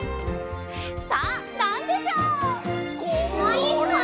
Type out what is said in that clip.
さあなんでしょう？